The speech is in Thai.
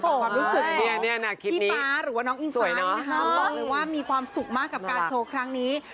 กับความรู้สึกที่ฟ้าหรือว่าน้องอิงฟ้าบอกเลยว่ามีความสุขมากกับการโชว์ครั้งนี้